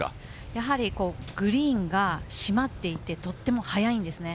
やはりグリーンがしまっていて、とっても速いんです。